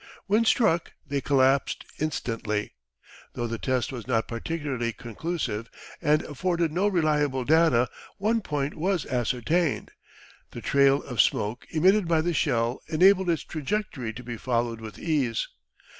When struck they collapsed instantly. Though the test was not particularly conclusive, and afforded no reliable data, one point was ascertained the trail of smoke emitted by the shell enabled its trajectory to be followed with ease.